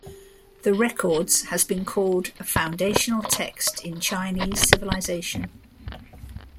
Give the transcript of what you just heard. The "Records" has been called a "foundational text in Chinese civilization".